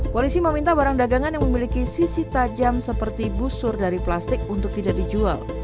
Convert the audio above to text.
polisi meminta barang dagangan yang memiliki sisi tajam seperti busur dari plastik untuk tidak dijual